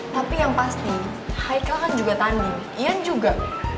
tapi yang pasti haikal kan juga tanding ian juga